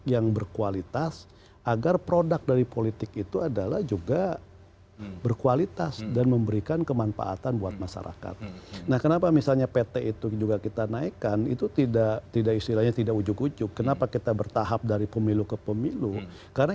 yang tengah dilakukan itu sudah sejauh mana